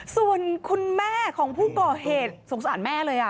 ส่วนคุณแม่ของผู้ก่อเหตุสงสารแม่เลย